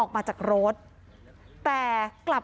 ไม่ใช่ไม่ใช่